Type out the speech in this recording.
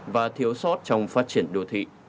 và thiếu sót trong phát triển đồ thị